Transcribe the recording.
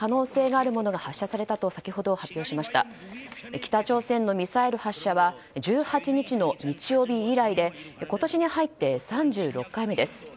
北朝鮮のミサイル発射は１８日の日曜日以来で今年に入って３６回目です。